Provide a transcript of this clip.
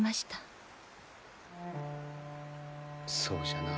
そうじゃな。